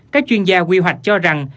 các chuyên gia quy hoạch cho rằng